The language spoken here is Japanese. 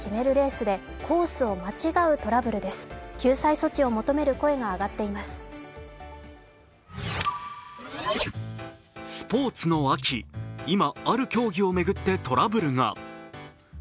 スポーツの秋、今、ある競技を巡ってトラブルが。